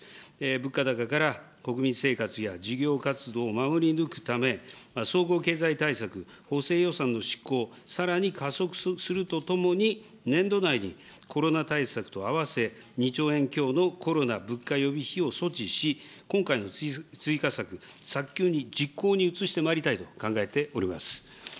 物価高から国民生活や事業活動を守り抜くため、総合経済対策、補正予算の執行、さらに加速するとともに、年度内にコロナ対策と合わせ２兆円強のコロナ物価予備費を措置し、今回の追加策、早急に実行に移してまいりたいと考えております。